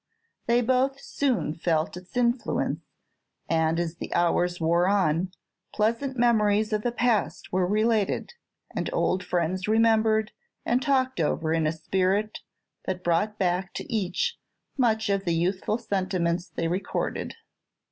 They both soon felt its influence, and as the hours wore on, pleasant memories of the past were related, and old friends remembered and talked over in a spirit that brought back to each much of the youthful sentiments they recorded.